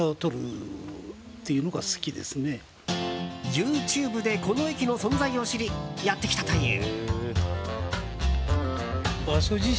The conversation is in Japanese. ＹｏｕＴｕｂｅでこの駅の存在を知りやってきたという。